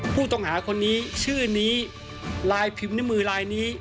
ผู้ต้องหาคนนี้ชื่อนี้ลายพิมพ์นิ้วมือลายนี้